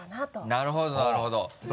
なるほどなるほど。